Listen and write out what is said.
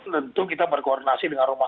tentu kita berkoordinasi dengan rumah